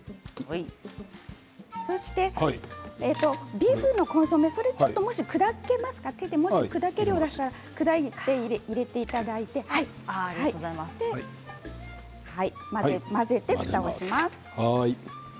ビーフのコンソメ手で、もし砕けるようだったら砕いて入れていただいて混ぜて、ふたをします。